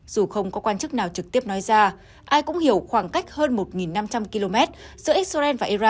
dù không có quan chức nào trực tiếp nói ra ai cũng hiểu khoảng cách hơn một năm trăm linh km giữa israel và iran